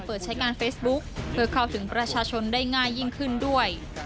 เปิดใช้งานเฟซบุ๊คเพื่อเข้าถึงประชาชนได้ง่ายยิ่งขึ้นด้วย